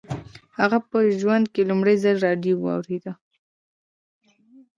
هغه په ژوند کې لومړي ځل راډيو واورېده.